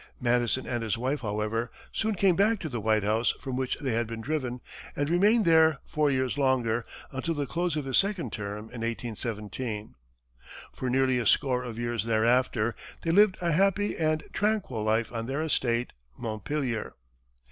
Madison and his wife, however, soon came back to the White House from which they had been driven, and remained there four years longer, until the close of his second term, in 1817. For nearly a score of years thereafter, they lived a happy and tranquil life on their estate, Montpelier.